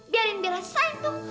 biarin biarin saja saing tuh